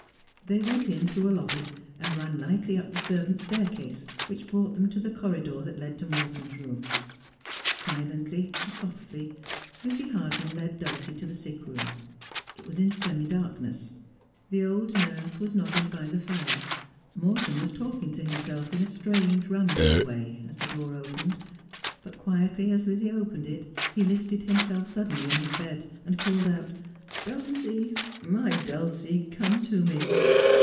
They went in through a lobby, and ran lightly up the ser vants' staircase, which brought them to the corridor that led to Morton's room. Silently, softly, Lizzie Hardman led Dulcie to the sick room. It was in semi darkness. The old nurse was 208 Just as I Am. nodding by the fire, Morton was talking to himself in a strange rambling way, as the door opened ; but quietly as Lizzie opened it, he lifted himself suddenly in his bed, and called out, ' Dulcie, my Dulcie, come to me.'